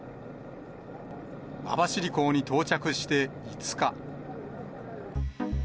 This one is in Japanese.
網走港に到着して５日。